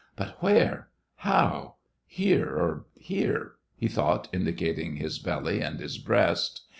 " But where t How } Here or here t " he thought, indicating his belly and his breast.